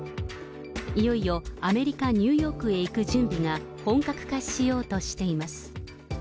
いよいよアメリカ・ニューヨークへ行く準備が本格化しようとしています。